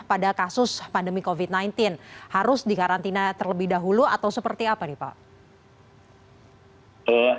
pada kasus pandemi covid sembilan belas harus dikarantina terlebih dahulu atau seperti apa nih pak